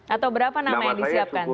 atau berapa nama yang disiapkan